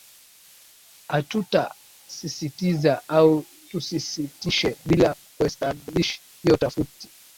atuta sisitiza au tusisisitishe bila kuestablish hiyo tofauti